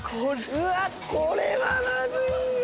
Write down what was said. うわこれはまずいよ